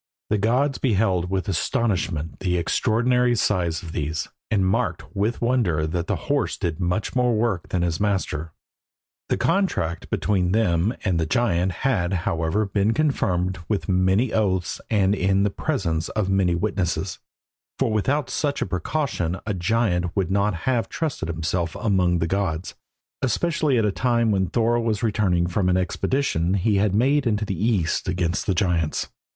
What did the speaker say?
The gods beheld with astonishment the extraordinary size of these, and marked with wonder that the horse did much more work than his master. The contract between them and the giant had, however, been confirmed with many oaths and in the presence of many witnesses, for without such a precaution a giant would not have trusted himself among the gods, especially at a time when Thor was returning from an expedition he had made into the east against the giants.